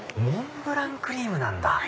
モンブランクリームなんだ！